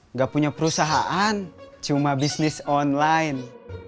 nggak punya perusahaan cuma bisnis online